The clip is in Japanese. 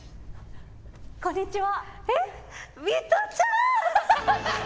こんにちは。